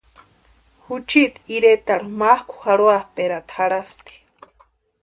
Juchiti iretarhu mákʼu jarhoapʼerata jarhasti.